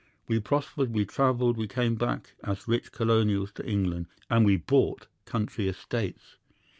We prospered, we travelled, we came back as rich colonials to England, and we bought country estates.